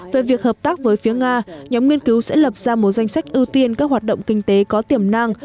về việc hợp tác với phía nga nhóm nghiên cứu sẽ lập ra một danh sách ưu tiên các hoạt động kinh tế có tiềm năng